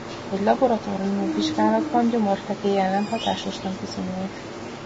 Egy laboratóriumi vizsgálatban gyomorfekély ellen hatásosnak bizonyult.